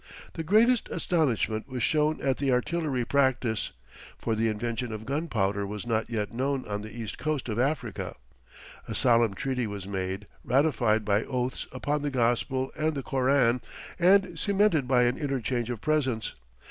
The greatest astonishment was shown at the artillery practice, for the invention of gunpowder was not yet known on the east coast of Africa. A solemn treaty was made, ratified by oaths upon the Gospel and the Koran, and cemented by an interchange of presents.